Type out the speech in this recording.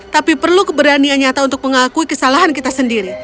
tapi perlu keberanian nyata untuk mengakui kesalahan kita sendiri